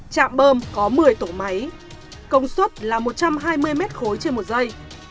chạm bơm có một mươi tổ máy công suất là một trăm hai mươi mét khối trên một giây